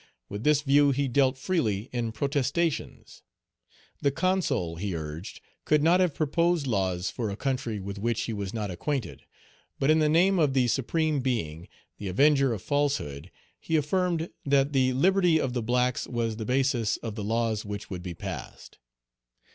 With this view he dealt freely in protestations. The Consul, he urged, could not have proposed laws for a country with which he was not acquainted; but in the name of the Supreme Being, the avenger of falsehood, he affirmed that the liberty of the blacks was the basis of the laws which would be passed.